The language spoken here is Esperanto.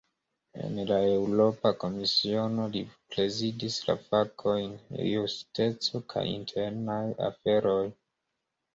En la Eŭropa Komisiono, li prezidis la fakojn "justeco kaj internaj aferoj".